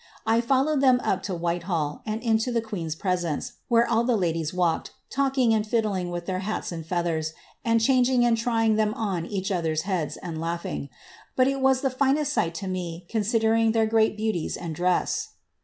I followed them up to WhilcUl and into the queen's presence, where all the ladies walked, lalkiagtfi fiddling with their hats and feathers, and changing and trying thta* each other's heads, and laughing. But it was the finest sight to^ considering their great beauties and dress.